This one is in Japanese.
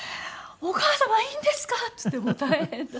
「お義母様いいんですか！」って言ってもう大変だった。